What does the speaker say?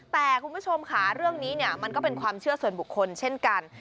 แต่คุณผู้ชมค่ะเรื่องนี้เนี่ยมันก็เป็นความเชื่อส่วนบุคคลเช่นกัน